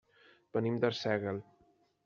Venim d'Arsèguel.